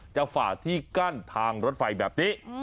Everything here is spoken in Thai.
ฝ่าที่กั้นทางรถไฟแบบนี้